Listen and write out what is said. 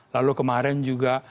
lalu kemarin juga